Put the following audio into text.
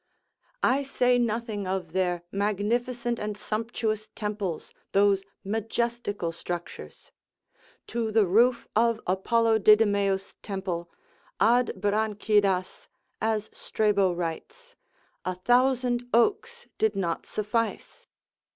I say nothing of their magnificent and sumptuous temples, those majestical structures: to the roof of Apollo Didymeus' temple, ad branchidas, as Strabo writes, a thousand oaks did not suffice.